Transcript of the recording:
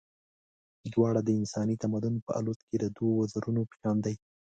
دواړه د انساني تمدن په الوت کې د دوو وزرونو په شان دي.